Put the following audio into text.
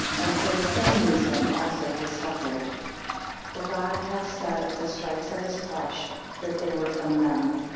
And for the same reason also he suffered. 16 For God hath said of the stripes of his flesh, that they were from them.